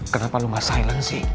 kenapa lo gak silent sih